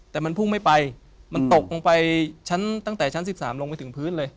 แต่มันพุ่งไม่ไปมันตกลงไปชั้นตั้งแต่ชั้น๑๓ลงไปถึงพื้นเลย